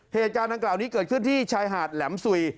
เหตุการณ์ดังกล่าวนี้เกิดขึ้นที่ชายหาดแหลมสุย